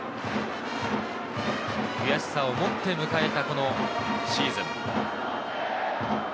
悔しさをもって迎えたシーズン。